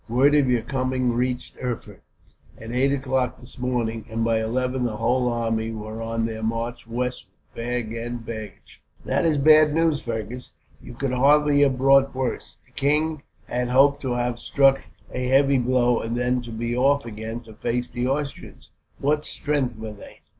"Word of your coming reached Erfurt, at eight o'clock this morning; and by eleven the whole army were on their march westward, bag and baggage." "That is bad news, Fergus. You could hardly have brought worse. The king had hoped to have struck a heavy blow, and then to be off again to face the Austrians. What strength were they?"